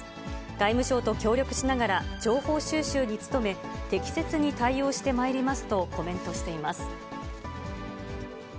外務省と協力しながら情報収集に努め、適切に対応してまいりますとコメントしています。